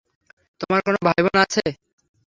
তোমার কোনো ভাই-বোন আছে?